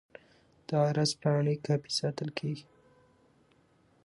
د عرض پاڼې کاپي ساتل کیږي.